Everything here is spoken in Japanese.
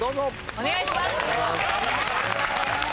お願いします。